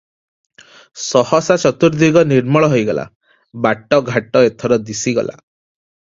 ସହସା ଚତୁର୍ଦିଗ ନିର୍ମଳ ହୋଇଗଲା, ବାଟ ଘାଟ ଏଥର ଦିଶିଗଲା ।